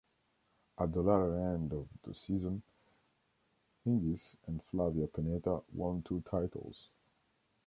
At the latter end of the season, Hingis and Flavia Pennetta won two titles.